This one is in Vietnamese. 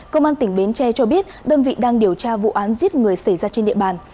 công an tỉnh bến tre cho biết đơn vị đang điều tra vụ án giết người xảy ra trên địa bàn